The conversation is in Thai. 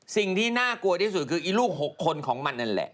สิ่งที่น่ากลัวที่สุดคืออีลูก๖คนของมันนั่นแหละ